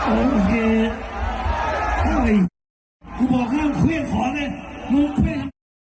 โอเคเอ้ยกูบอกแล้วคุยกับของเลยมึงคุย